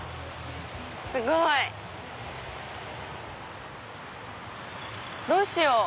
すごい！どうしよう？